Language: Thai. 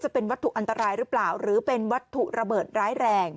เป็นวัตถุอันตรายหรือเปล่าหรือเป็นวัตถุระเบิดร้ายแรง